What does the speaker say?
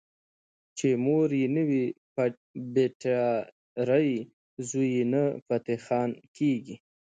چې مور یې نه وي بټيارۍ زوی يې نه فتح خان کيږي